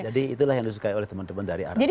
jadi itulah yang disukai oleh teman teman dari arab saudi